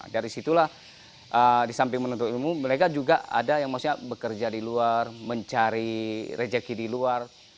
dari situlah di samping menuntut ilmu mereka juga ada yang maksudnya bekerja di luar mencari rejeki di luar